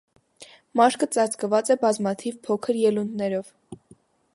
Մաշկը ծածկված է բազմաթիվ փոքր ելունդներով։